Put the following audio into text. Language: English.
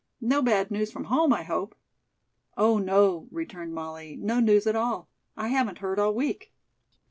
No bad news from home, I hope?" "Oh, no," returned Molly. "No news at all. I haven't heard all week."